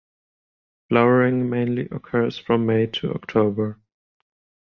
Flowering mainly occurs from May to October.